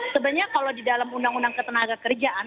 sebenarnya kalau di dalam uu ketenagakerjaan